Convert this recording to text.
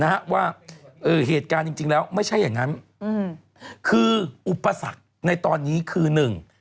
นะฮะว่าเอ่อเหตุการณ์จริงจริงแล้วไม่ใช่อย่างงั้นอืมคืออุปสรรคในตอนนี้คือหนึ่ง